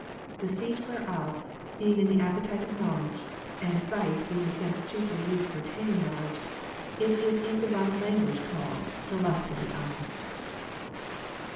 The seat whereof being in the appetite of knowledge, and sight being the sense chiefly used for attaining knowledge, it is in Divine i language called. The lust of the eyes.